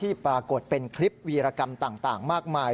ปรากฏเป็นคลิปวีรกรรมต่างมากมาย